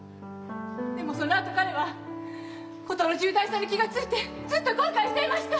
でもそのあと彼は事の重大さに気が付いてずっと後悔していました。